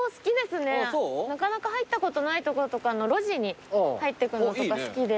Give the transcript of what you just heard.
なかなか入ったことないとことかの路地に入ってくのとか好きで。